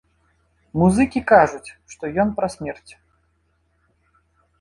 Музыкі кажуць, што ён пра смерць.